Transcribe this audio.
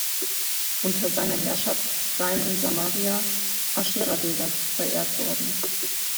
Unter seiner Herrschaft seien in Samaria Aschera-Bilder verehrt worden.